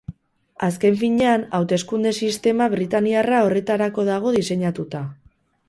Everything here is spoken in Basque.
Azken finean, hauteskunde-sistema britainiarra horretarako dago diseinatuta.